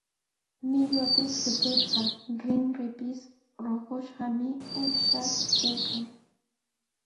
Millwanpis rutushqa, rinrinpis ruqushqami uusha kaykan.